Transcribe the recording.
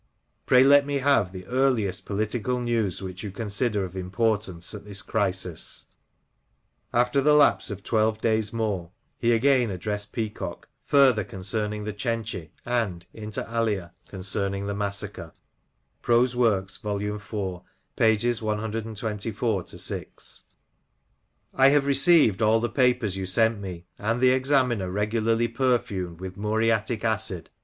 Pray let me have the earliest political news which you consider of importance at this crisis. " After the lapse of twelve days more, he again ad dressed Peacock, further concerning The Cenci ^n^ (inter alia) concerning the massacre :—*'* I have received all the papers you sent me, and the Examiners regularly, perfiimed with muriatic acid.